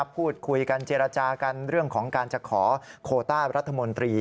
พูดคุยกันเจรจากันเรื่องของการจะขอโคต้ารัฐมนตรี